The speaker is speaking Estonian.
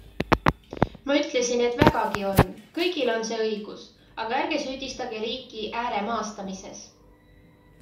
Ma ütlesin, et vägagi on, kõigil on see õigus, aga ärge süüdistage riiki ääremaastamises.